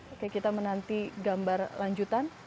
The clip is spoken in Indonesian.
oke kita menanti gambar lanjutan